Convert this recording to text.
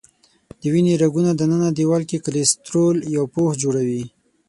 د وینې رګونو دننه دیوال کې کلسترول یو پوښ جوړوي.